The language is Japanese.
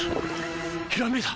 ひらめいた！